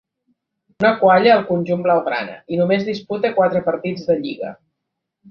No qualla al conjunt blaugrana, i només disputa quatre partits de Lliga.